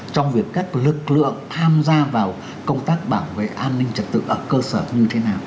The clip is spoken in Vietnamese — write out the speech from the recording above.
trong việc các lực lượng tham gia vào công tác bảo vệ an ninh trật tự ở cơ sở như thế nào